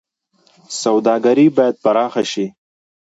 سوداګري باید پراخه شي